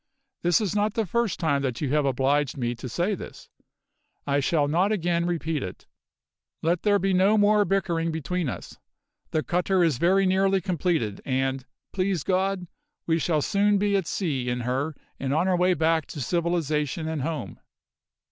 This is not the first time that you have obliged me to say this. I shall not again repeat it. Let there be no more bickering between us. The cutter is very nearly completed and, please God, we shall soon be at sea in her and on our way back to civilisation and home."